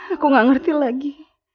aku gak ngerti lagi